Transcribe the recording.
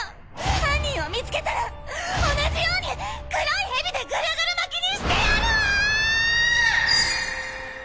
犯人を見つけたら同じように黒い蛇でぐるぐる巻きにしてやるわ‼